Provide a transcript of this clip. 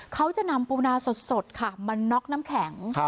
เขาจะนำปูนาสดค่ะมาน็อกน้ำแข็ง